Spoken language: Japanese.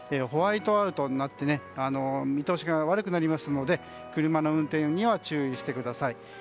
ホワイトアウトになって見通しが悪くなりますので車の運転には注意してください。